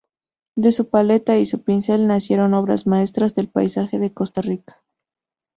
De su paleta y su pincel nacieron obras maestras del paisaje de Costa Rica.